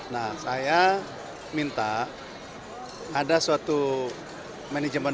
nah saya minta ada suatu manajemen